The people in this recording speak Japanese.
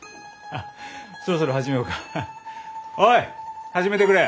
おい始めてくれ！